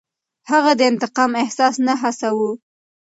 هغه د انتقام احساس نه هڅاوه.